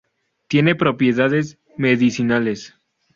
Tiene propiedades medicinales.